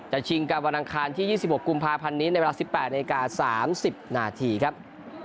จะชิงกับวันทางคลานที่ยี่สิบหกกุมภาพันธ์นี้ในเวลาสิบแปดนาฬิกาสามสิบนาทีครับ